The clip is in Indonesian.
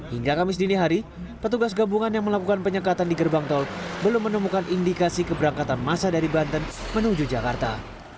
hingga kamis dini hari petugas gabungan yang melakukan penyekatan di gerbang tol belum menemukan indikasi keberangkatan masa dari banten menuju jakarta